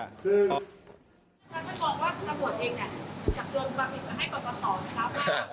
ท่านไม่บอกว่าตำรวจเองจะเตือนความผิดมาให้ปรปศ